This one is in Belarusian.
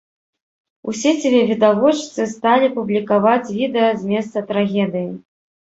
У сеціве відавочцы сталі публікаваць відэа з месца трагедыі.